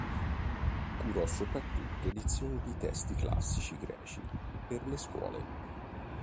Curò soprattutto edizioni di testi classici greci per le scuole.